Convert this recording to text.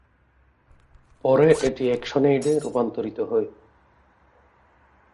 পরে এটি অ্যাকশন-এইডে রূপান্তরিত হয়।